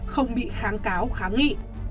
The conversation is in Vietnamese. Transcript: không bị kháng cáo kháng nghị